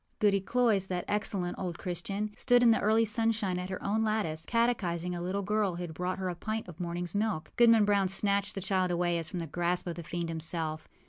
Goody Cloyse, that excellent old Christian, stood in the early sunshine at her own lattice, catechizing a little girl who had brought her a pint of morningâs milk. Goodman Brown snatched away the child as from the grasp of the fiend himself.